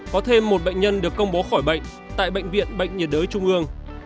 có thêm một bệnh nhân được công bố khỏi bệnh tại bệnh viện bệnh nhiệt đới trung ương